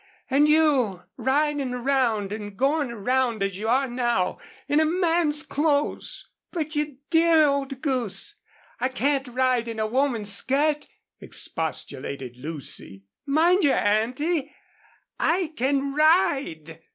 And you riding around and going around as you are now in a man's clothes!" "But, you dear old goose, I can't ride in a woman's skirt," expostulated Lucy. "Mind you, Auntie, I can RIDE!"